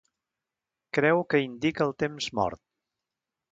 Creu que indica el temps mort.